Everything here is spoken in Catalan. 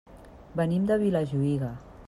Venim de Vilajuïga.